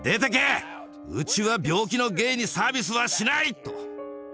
うちは病気のゲイにサービスはしない！」と。